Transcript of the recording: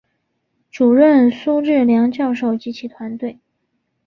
主任苏智良教授及其团队